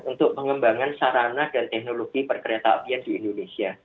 untuk pengembangan sarana dan teknologi perkeretaapian di indonesia